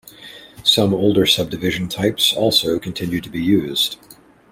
Some older subdivision types also continued to be used.